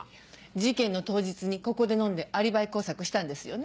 事件の当日にここで飲んでアリバイ工作したんですよね？